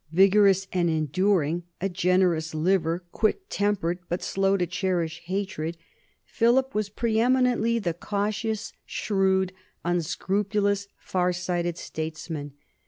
Vigorous and enduring, a generous liver, quick tempered but slow to cherish hatred, Philip was preeminently the cautious, shrewd, unscrupulous, far sighted statesman.